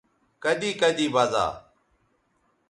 کدی کدی بزا